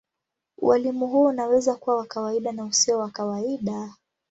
Ualimu huo unaweza kuwa wa kawaida na usio wa kawaida.